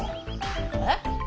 えっ？